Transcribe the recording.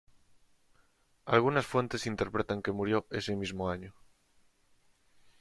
Algunas fuentes interpretan que murió ese mismo año.